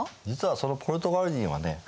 実はそのポルトガル人はね